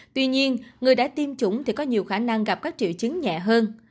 tuy nhiên người đã tiêm chủng thì có nhiều khả năng gặp các triệu chứng nhẹ hơn